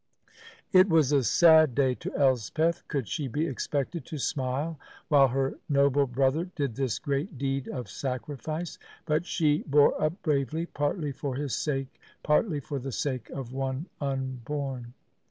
It was a sad day to Elspeth. Could she be expected to smile while her noble brother did this great deed of sacrifice? But she bore up bravely, partly for his sake, partly for the sake of one unborn.